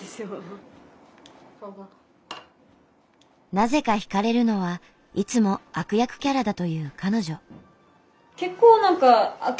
なぜか引かれるのはいつも悪役キャラだという彼女。